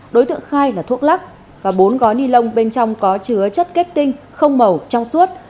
đối tượng khai là thuốc lắc và bốn gói ni lông bên trong có chứa chất kết tinh không màu trong suốt